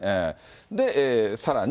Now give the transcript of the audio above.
で、さらに。